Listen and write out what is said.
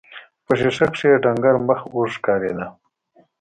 په ښيښه کې يې ډنګر مخ اوږد ښکارېده.